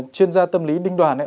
chuyên gia tâm lý đinh đoàn